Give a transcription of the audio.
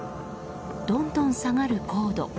どんどん下がる高度。